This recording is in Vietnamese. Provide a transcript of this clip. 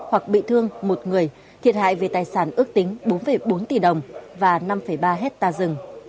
hoặc bị thương một người thiệt hại về tài sản ước tính bốn bốn tỷ đồng và năm ba hectare rừng